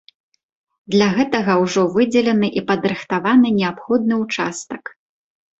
Для гэтага ўжо выдзелены і падрыхтаваны неабходны ўчастак.